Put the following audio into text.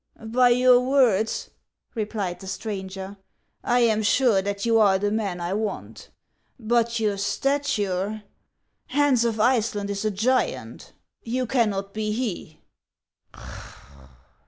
" By your words," replied the stranger, " I am sure that you are the man I want ; but your stature — Hans of Iceland is a giant. You cannot be he."